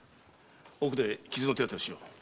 奥で傷の手当をしよう。